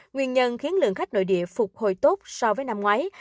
nguyên nhân khiến lượng khách nội địa phục hồi tốt so với năm ngoái